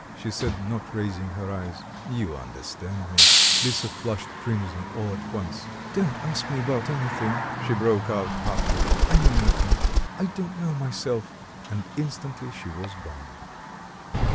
she said, not raising her eyes. "You understand me." Lisa flushed crimson all at once. "Don't ask me about anything!" she broke out hotly. "I know nothing; I don't know myself." And instantly she was gone.